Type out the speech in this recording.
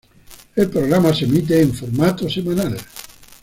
El programa se emite en formato semanal.